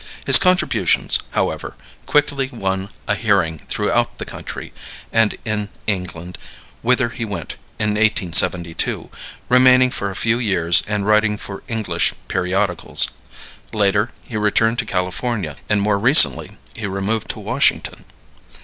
His contributions, however, quickly won a hearing throughout the country and in England, whither he went in 1872, remaining for a few years and writing for English periodicals. Later he returned to California, and more recently he removed to Washington.